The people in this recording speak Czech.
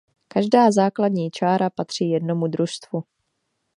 Každá základní čára patří jednomu družstvu.